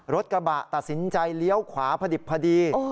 รถกระบะตัดสินใจเลี้ยวขวาพอดิบพอดี